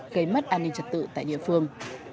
gây mất an ninh trật tự tại địa phương